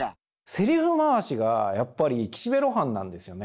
セリフ回しがやっぱり岸辺露伴なんですよね。